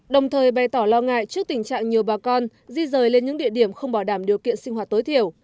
đồng thời bày tỏ lo ngại trước tình trạng nhiều bà con di rời lên những địa điểm không bảo đảm điều kiện sinh hoạt tối thiểu